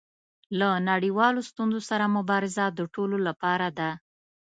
له نړیوالو ستونزو سره مبارزه د ټولو لپاره ده.